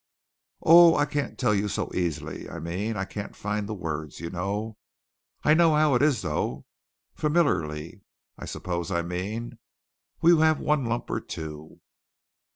"Oh, I can't tell you so easily. I mean, I can't find the words, you know. I know how it is, though. Familiarly, I suppose I mean. Will you have one lump or two?"